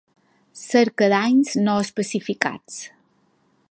Cerca danys no especificats.